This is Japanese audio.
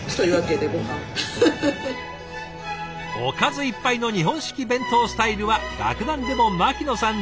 おかずいっぱいの日本式弁当スタイルは楽団でも牧野さん